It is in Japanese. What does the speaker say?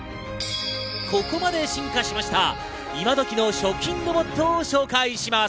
ここまで進化しました、いまどきの食品ロボットを紹介します。